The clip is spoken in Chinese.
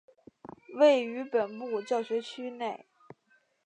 位于本部教学区内。